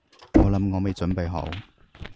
我諗我未準備好